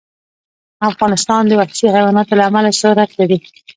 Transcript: افغانستان د وحشي حیوانات له امله شهرت لري.